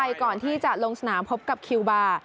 ก่อนที่จะลงสนามพบกับคิวบาร์